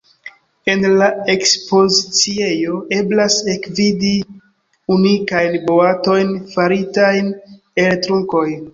En la ekspoziciejo eblas ekvidi unikajn boatojn, faritajn el trunkoj.